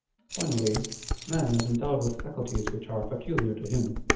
*" Finally, man is endowed with faculties which are peculiar to him.